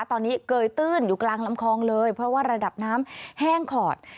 ตอนนี้เกยตื้นอยู่กลางลำคลองเลยเพราะว่าระดับน้ำแห้งขอด